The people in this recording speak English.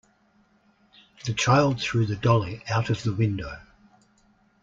The child threw the dolly out of the window.